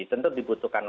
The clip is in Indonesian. itu tentu dibutuhkan